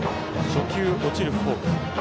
初球、落ちるフォーク。